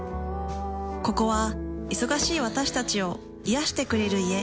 ここは忙しい私たちを癒してくれる家。